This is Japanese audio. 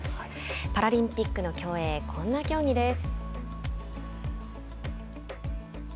パラリンピックの競泳こんな競技です。